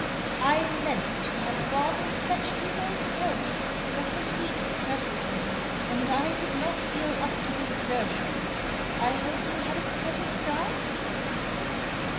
"I meant to have gone and fetched you myself; but the heat oppresses me, and I did not feel up to the exertion. I hope you had a pleasant drive?"